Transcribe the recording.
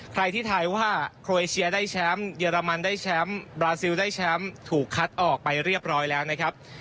ใครที่ทายว่าโครเอเชียได้แชมป์เยอรมันได้แชมป์บราซิลได้แชมป์ถูกคัดออกไปเรียบร้อยแล้วนะครับ